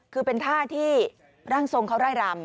คือเป็นท่าที่ร่างทรงเขาไล่รำ